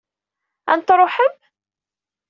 Ad n-truḥem?